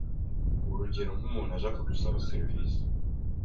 Urugero nk’umuntu aje akagusaba serivisi